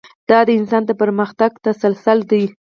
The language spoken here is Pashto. دا د انسان د پرمختګ تسلسل دی.